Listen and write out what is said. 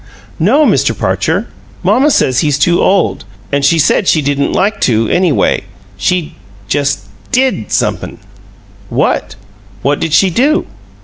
"No, Mr. Parcher. Mamma says he's too old an' she said she didn't like to, anyway. She just DID somep'm." "What? What did she do?"